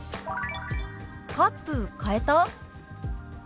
「カップ変えた？」。